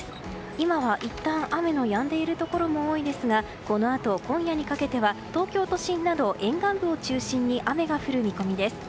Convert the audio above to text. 今はいったん、雨のやんでいるところも多いですがこのあと今夜にかけては東京都心など沿岸部を中心に雨が降る見込みです。